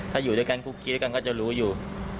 ถ้าอยู่ด้วยกันคุกคิดกันก็จะรู้อยู่